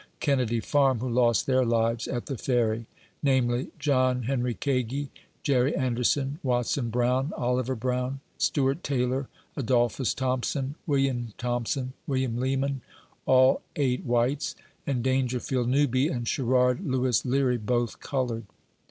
Ken nedy Farm who lost their lives at the Ferry, namely : John Henri Kagi, Jerry Anderson, Watson Brown, Oliver Brown, Stewart Taylor, Adolphus Thompson, William Thompson, William Leeman, all eight whites, and Dangerfield Newby and Sherrard Lewis Leary, both colored.